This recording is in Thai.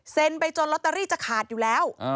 เซ็นต์ไปจนล็อตเตอรี่จะขาดอยู่แล้ว